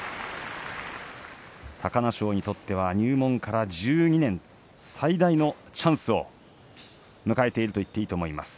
隆の勝にとっては入門から１２年最大のチャンスを迎えていると言っていいと思います。